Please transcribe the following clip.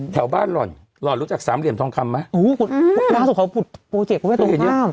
แถวบ้านหล่อนหล่อนรู้จัก๓เหรียมทองคำไหมอุ้ยพวกน้าสุขเขาปุดโปรเจกต์กับแม่ตัวข้าม